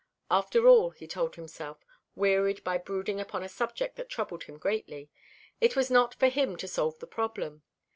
After all, he told himself, wearied by brooding upon a subject that troubled him greatly, it was not for him to solve the problem.